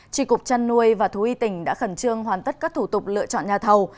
tri cục chăn nuôi và thú y tỉnh đã khẩn trương hoàn tất các thủ tục lựa chọn nhà thầu